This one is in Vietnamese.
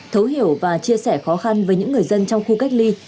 thấu hiểu và chia sẻ khó khăn với những người dân trong khu cách ly